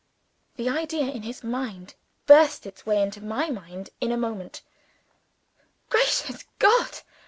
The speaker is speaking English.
The idea in his mind burst its way into my mind in a moment. "Gracious God!"